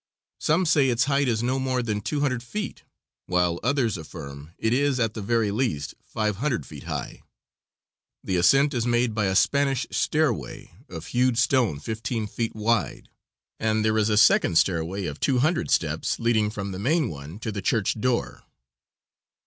Some say its height is no more than two hundred feet, while others affirm it is at the very least five hundred feet high; the ascent is made by a Spanish stairway of hewed stone fifteen feet wide, and there is a second stairway of two hundred steps leading from the main one to the church door.